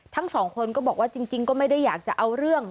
ทั้งสองคนก็บอกว่าจริงก็ไม่ได้อยากจะเอาเรื่อง